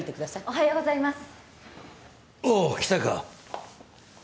おはようございます。